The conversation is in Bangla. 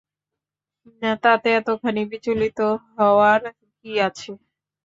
তাতে এতখানি বিচলিত হওয়ার কী আছে?